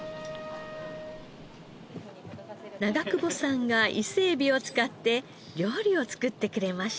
長久保さんが伊勢エビを使って料理を作ってくれました。